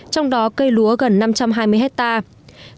trong đó cây lúa gần năm trăm hai mươi hectare